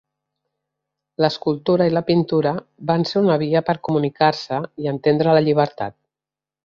L'escultura i la pintura van ser una via per comunicar-se i entendre la llibertat.